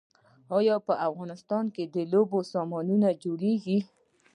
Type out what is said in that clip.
آیا په افغانستان کې د لوبو سامان جوړیږي؟